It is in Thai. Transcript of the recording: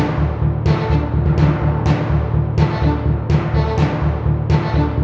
ร้องได้ค่ะ